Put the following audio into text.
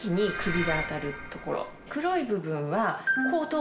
黒い部分は。